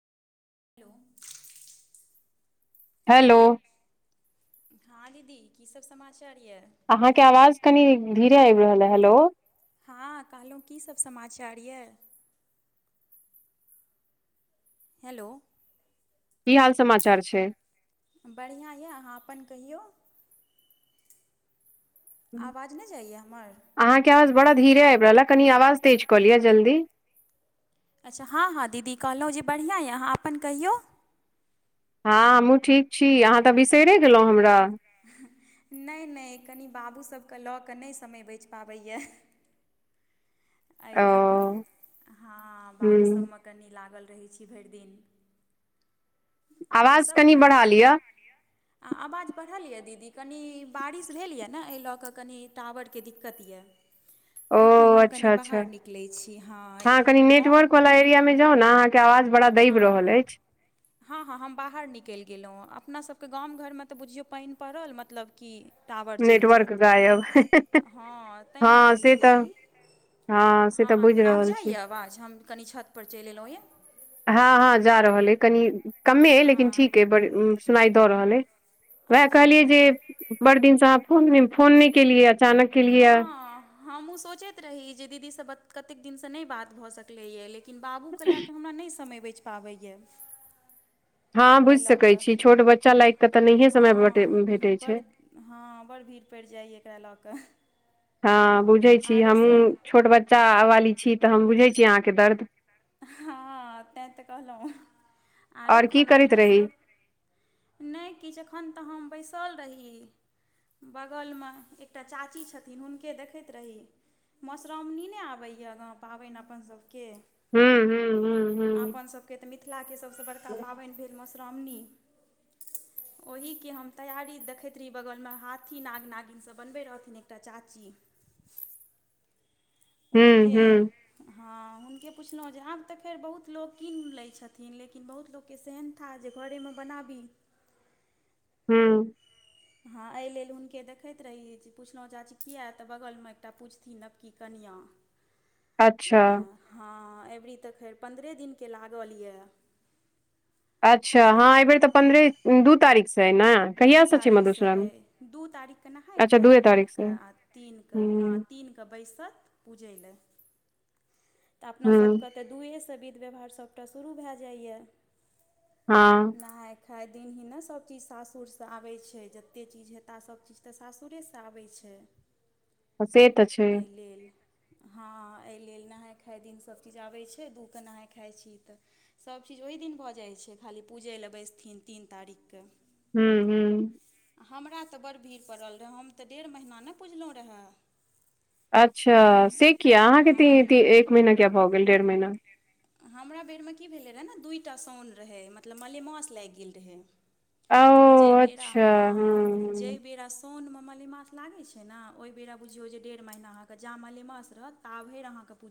Hello hello. हँ दीदी की सब समाचार यऽ। अहाँके आवाज कनि धीरे आबि रहले, हेलो हँ कहलहुँ की सब समाचार यऽ। हेलो। की हाल समाचार छै। बढ़ियाँ छै अहाँ अपन कहियौ। आवाज नै जाइए हमर। अहाँके आवाज बड़ा धीरे आबि रहल ये कनि आवाज तेज कऽ लिअ जल्दी। अच्छा हाँ-हाँ दीदी कहलौ जे बढ़ियाँ या आहाँ अपन कहियौ। हाँ हमहूँ ठीक छी अहाँ तऽ बिसेरे गेलौं हमरा। ने-ने कनि बाबू सबके लऽ कऽ नेय समय बच पाबै या। ऐ लयक ओ कऽ हाँ हूँ बाबूसबमे कनि लागल रहै छी भेर दिन। आरो आवाज सभ कनि खन बढ़ा लिय। आ आवाज बढ़ल लियऽ दीदी कनि बारिश भेल या न एहि लऽ कऽ कनि टावरके दिक्कत या। ओ रुकू हम कनि अच्छा अच्छा बाहर निकलै छी हाँ गा पिया में जाउ न। हाँ-हां। हाँ-हाँ हम बाहर निकेल गेलौ अपना सबके गांव घरमे तऽ बुझियौ पाइन पड़ल मतलब कि टावर चेल नेटवर्क जैयत गायब हाँ तेहिना हँ होइ से छैय तऽ कि। हँ से हाँ-हाँ बुझि तऽ आब रहल जाइ छी या आवाज हम कनि छत पर चेल एलौ या। हाँ-हाँ जा रहल अए कनि कमे लेकिन हँ ठीक अए बड़ सुनाइ दऽ रहल अए। वैहाए कहलियै अच्छा जे बड़ दिनसँ अहाँ फोन फोन नै केलियै। अचानक केलियै हाँ। हमु सोचैत रही जे दीदी से बात कतेक दिन से नै बात भऽ सकलै या ल किन बाबूके लाए कऽ हमरा नै समय बैच पाबै या। हाँ बुझ सकै छी छोट बच्चा लाएग के तऽ नहिये समय बटे भेटै छैय। हाँ बड़ भीड़ पैड़ जाइ एकरा लऽ कऽ, हाँ बुझै छी आरो हमहूँ सब छोट बच्चा वाली छी तऽ हम बुझै छी अहाँके दर्द‌। हाँ तैय तऽ कहलों आरो आओर की करैत खाना-पीना रही सब! ने किछ एखन तऽ हम बैसल रही। बगलमे एकटा चाची छथिन हुनके देखैत रही मोसरावणी नैय आबैया पाबैन अपन सबके हूँ-हूँ-हूँ-हूँ। आपन सबके तऽ मिथिलाके सबसे बड़का पाबेन भेल मोसरावणी। ओहि की हम तैयारी देखैत रही बगलमे हाथी, नाग, नागिन सब बनबै रहथिन एकटा चाची। हूँ हूँ हुनके! हूँ हांँ उनके पुछलों जे आब तऽ फेर बहुत लोक कीन लै छथिन लेकिन बहुत लोक के सेहेन था जी घरेमे बनाबी! हूँ। हाँ ऐ लेल हुनके देखैत रही जे पुछलहुँ चाची किया तऽ बगलमे एकटा पुजथिन नवकी कनियाँ। अच्छा। हाँ एबरी तऽ खैर पन्द्रहे दिनके लागल या! अच्छा हाँ एयबेर तऽ पन्द्रहे दू तारीख से न। दू तारीखसँ अइ दू तारीखके नहाय अच्छा खाइ दूए हेत तारीखसँ अहाँके आ तीनके हाँ हूँ तीन तऽ बैसत पूजै लऽ तऽ अपना हूँ सबके तऽ दुए सऽ विध व्यवहार सभटा शुरू भैए जाइया। हाँ। नहाइ खाइ दिन ही ने सबचीज सासुर तऽ आबै छैय जतेक चीज हेताह सभचीज तऽ सासुरेसऽ आबै छैय। से तऽ छै अय लेल। हाँ ऐय लेल नहाय खााय दिन सभचीज आबै छैय दूके नहाइ खाइ छी तऽ सबचीज ओहि दिन भऽ जाइ छैय खाली पूजय लऽ बैसथिन तीन तारीख के। हूँ हूँ। आ हमरा तऽ बड्ड भीड़ पड़ल रहए हम तऽ डेढ़ महीना नहि पुजलहुँ रहा। अच्छा से किया अहाँके इति हँ इति एक महीना किया भऽ गेल डेढ़ महीना। हमरा बेरमे की भेलै रहए ने दूइटा साउन रहै मतलब मलेमास लागि गेल रहै। ओ जय बेरा अच्छा हूँ हँ हूँ जय बेरा सोनमे मलेमास लागै छै ने ओहि बेर बुझियौ जे डेढ़ महिना अहाँके जा मलमास रहत ता भरिर अहाँके पूज